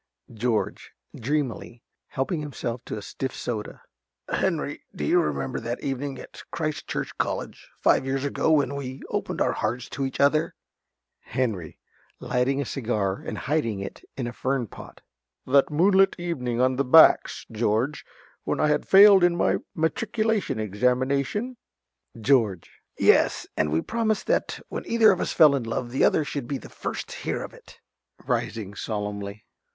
_ ~George~ (dreamily, helping himself to a stiff soda). Henry, do you remember that evening at Christ Church College, five years ago, when we opened our hearts to each other?... ~Henry~ (lighting a cigar and hiding it in a fern pot). That moonlight evening on the Backs, George, when I had failed in my Matriculation examination? ~George.~ Yes; and we promised that when either of us fell in love the other should be the first to hear of it? (_Rising solemnly.